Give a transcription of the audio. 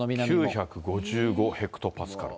９５５ヘクトパスカル。